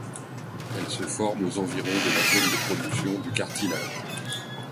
Elle se forme aux environs de la zone de production du cartilage.